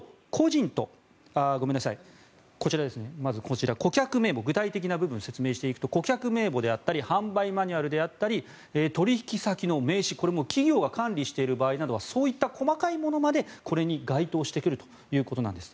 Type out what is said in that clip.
そして、顧客名簿具体的な部分を説明していくと顧客名簿だったり販売マニュアルだったり取引先の名刺、これも企業が管理している場合などはそういった細かいものまでこれに該当してくるということなんです。